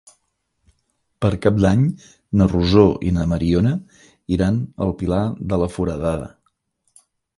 Per Cap d'Any na Rosó i na Mariona iran al Pilar de la Foradada.